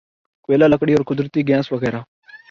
کوئلہ لکڑی اور قدرتی گیس وغیرہ